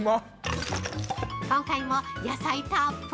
今回も野菜たーっぷり。